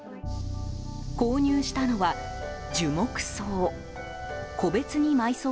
購入したのは樹木葬。